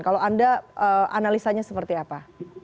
kalau anda analisanya seperti apa